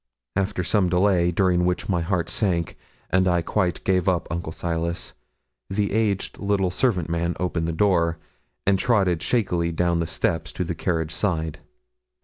After some delay, during which my heart sank, and I quite gave up Uncle Silas, the aged little servant man opened the door, and trotted shakily down the steps to the carriage side.